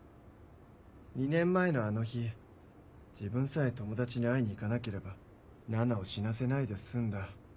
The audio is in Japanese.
２年前のあの日自分さえ友達に会いに行かなければななを死なせないで済んだ。